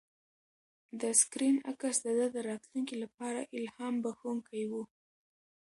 د سکرین عکس د ده د راتلونکي لپاره الهام بښونکی و.